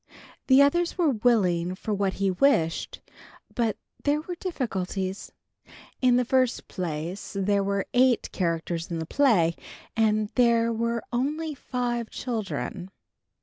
The others were willing for what he wished, but there were difficulties. In the first place, there are eight characters in the play, and there were only five children.